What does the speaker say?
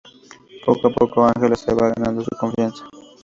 Poco a poco, Ángela se va ganando su confianza.